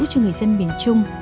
cho người dân miền trung